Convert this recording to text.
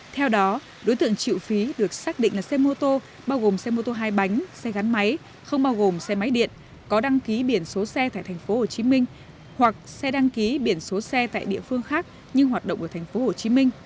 theo đó đối tượng chịu phí được xác định là xe mô tô bao gồm xe mô tô hai bánh xe gắn máy không bao gồm xe máy điện có đăng ký biển số xe tại tp hcm hoặc xe đăng ký biển số xe tại địa phương khác nhưng hoạt động ở tp hcm